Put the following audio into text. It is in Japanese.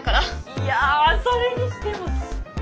いやそれにしてもすっごい偶然。